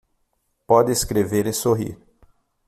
Pode escrever e sorrir